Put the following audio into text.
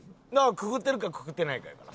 くくってるかくくってないかやから。